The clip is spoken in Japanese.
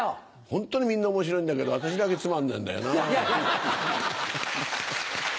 ホントにみんな面白いんだけど私だけつまんねえんだよな。